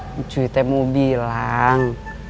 kang ncuy teh mau bilang